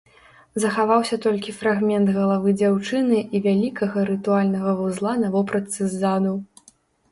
Захаваўся толькі фрагмент галавы дзяўчыны і вялікага рытуальнага вузла на вопратцы ззаду.